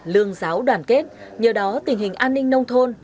lương giáo đoàn kết nhờ đó tình hình an ninh nông thôn